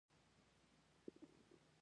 زه په کور کي نظم ساتم.